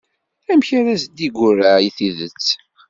Amek ara as-d-yeggurraɛ tidet?